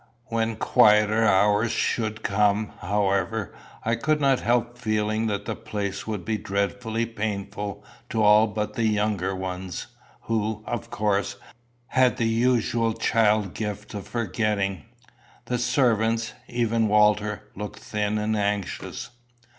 When quieter hours should come, however, I could not help fearing that the place would be dreadfully painful to all but the younger ones, who, of course, had the usual child gift of forgetting. The servants even Walter looked thin and anxious.